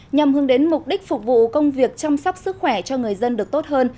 nhằm hướng đến mục đích phục vụ công việc chăm sóc sức khỏe cho người dân được tốt hơn